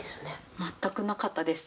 全くなかったです。